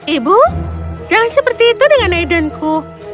ibu jangan seperti itu dengan aidentku